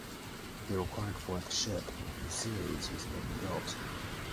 The required fourth ship of series was never built.